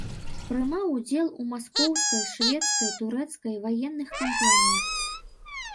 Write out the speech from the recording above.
Прымаў удзел у маскоўскай, шведскай, турэцкай ваенных кампаніях.